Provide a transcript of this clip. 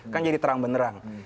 kan jadi terang benerang